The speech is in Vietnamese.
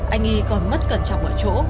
anh y còn mất cần chọc ở chỗ